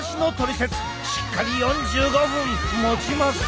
しっかり４５分もちまっせ！